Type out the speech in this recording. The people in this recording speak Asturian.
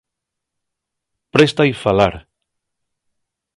Présta-y falar.